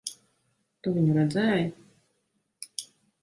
Tu viņu redzēji?